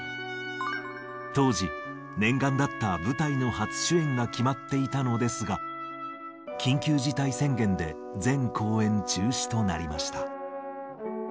当時、念願だった舞台の初主演が決まっていたのですが、緊急事態宣言で全公演中止となりました。